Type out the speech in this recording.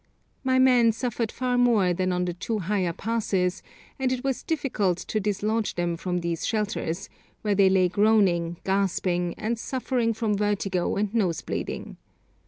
My men suffered far more than on the two higher passes, and it was difficult to dislodge them from these shelters, where they lay groaning, gasping, and suffering from vertigo and nose bleeding.